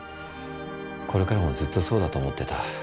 これからもずっとそうだと思ってた。